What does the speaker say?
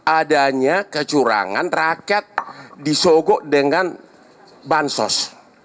adanya kecurangan rakyat disogok dengan bansos